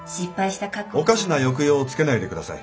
おかしな抑揚をつけないで下さい。